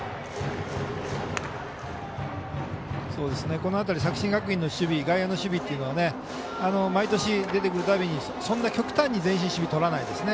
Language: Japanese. この辺り、作新学院の外野の守備というのは毎年、出てくるたびに極端に前進守備はとらないですね。